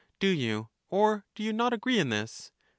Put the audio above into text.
Do you or do you not agree in this?